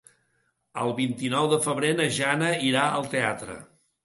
El vint-i-nou de febrer na Jana irà al teatre.